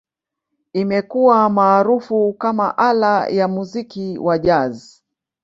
Imekuwa maarufu kama ala ya muziki wa Jazz.